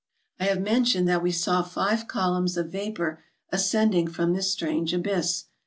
I have mentioned that we saw five columns of vapor ascending from this strange abyss.